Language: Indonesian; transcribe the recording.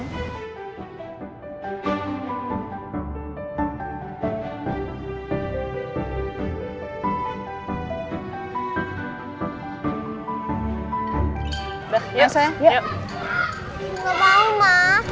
gak mau ma